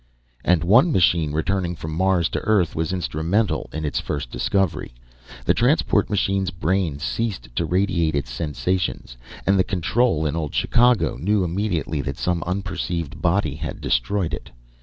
And one machine returning from Mars to Earth was instrumental in its first discovery. The transport machine's brain ceased to radiate its sensations, and the control in old Chicago knew immediately that some unperceived body had destroyed it.